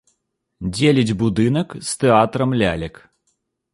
Дзеліць будынак з тэатрам лялек.